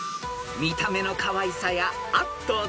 ［見た目のかわいさやあっと